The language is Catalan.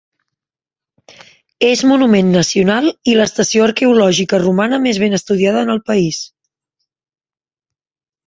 És Monument Nacional i l'estació arqueològica romana més ben estudiada en el país.